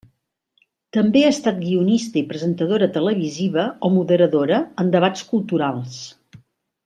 També ha estat guionista i presentadora televisiva o moderadora en debats culturals.